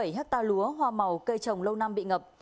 bảy trăm bảy mươi bảy hecta lúa hoa màu cây trồng lâu năm bị ngập